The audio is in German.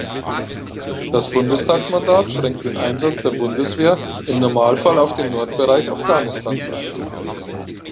Das Bundestagsmandat schränkt den Einsatz der Bundeswehr im Normalfall auf den Nordbereich Afghanistans ein.